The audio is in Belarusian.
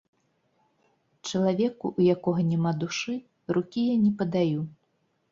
Чалавеку, у якога няма душы, рукі я не падаю.